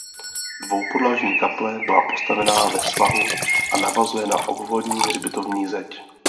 Dvoupodlažní kaple byla postavena ve svahu a navazuje na obvodní hřbitovní zeď.